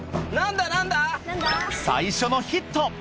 最初のヒット！